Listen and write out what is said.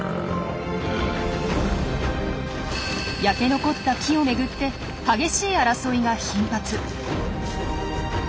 焼け残った木をめぐって激しい争いが頻発。